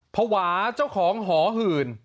ภาวะเจ้าของหอหื่น